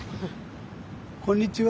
こんにちは。